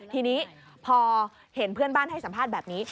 ทีนี้พอเห็นเพื่อนบ้านให้สัมภาษณ์แบบนี้